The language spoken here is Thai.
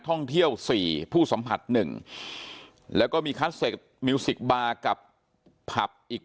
ท่องเที่ยว๔ผู้สัมผัส๑แล้วก็มีคัสเซคมิวสิกบาร์กับผับอีก